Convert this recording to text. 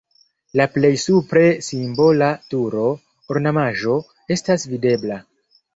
La plej supre simbola turo (ornamaĵo) estas videbla.